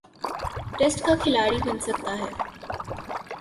Test کا کھلاڑی بن سکتا ہے۔